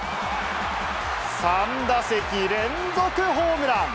３打席連続ホームラン。